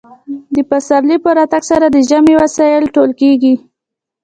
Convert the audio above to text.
د پسرلي په راتګ سره د ژمي وسایل ټول کیږي